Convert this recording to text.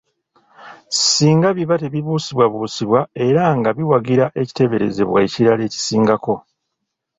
Singa biba tebibuusibwabuusibwa era nga biwagira ekiteeberezebwa ekirala ekisingako.